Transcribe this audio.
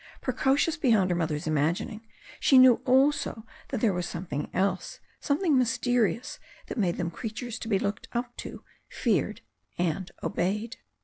Precocious beyond her mother's imagining, she knew also that there was some thing else, something mysterious, that made them creatures to be looked up to, feared and obeyed.